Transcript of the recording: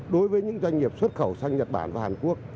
đối với những doanh nghiệp xuất khẩu sang nhật bản và hàn quốc